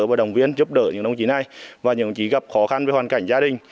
tôi đồng viên giúp đỡ những đồng chí này và những anh chỉ gặp khó khăn với hoàn cảnh gia đình